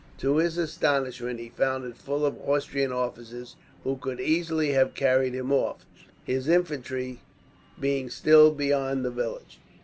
To his astonishment, he found it full of Austrian officers, who could easily have carried him off, his infantry being still beyond the village.